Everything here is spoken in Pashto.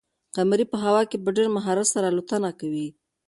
قمري په هوا کې په ډېر مهارت سره الوتنه کوي.